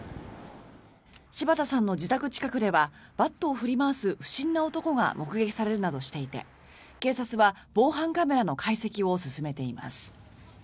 柴田さんの自宅近くではバットを振り回す不審な男が目撃されるなどしていて警察は防犯カメラの解析を進めています。